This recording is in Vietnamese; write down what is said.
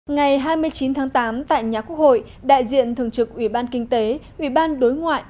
ngày hai mươi chín tháng tám tại nhà quốc hội đại diện thường trực ủy ban kinh tế ủy ban đối ngoại